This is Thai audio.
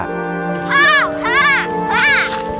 แฟ่